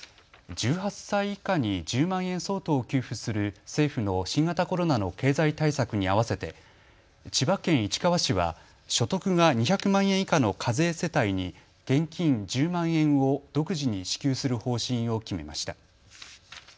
１８歳以下に１０万円相当を給付する政府の新型コロナの経済対策に合わせて千葉県市川市は所得が２００万円以下の課税世帯に現金１０万円を独自に支給する方針を決めました。